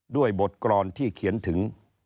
ด้วยบทกรอนที่เขียนถึง